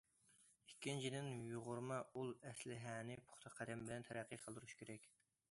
ئىككىنچىدىن، يۇغۇرما ئۇل ئەسلىھەنى پۇختا قەدەم بىلەن تەرەققىي قىلدۇرۇش كېرەك.